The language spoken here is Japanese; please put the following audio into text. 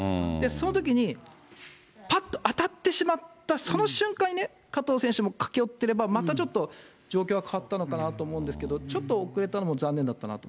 そのときに、ぱっと、当たってしまったその瞬間にね、加藤選手も駆け寄ってれば、またちょっと、状況は変わったのかなと思いますけど、ちょっと遅れたのも残念だったなと。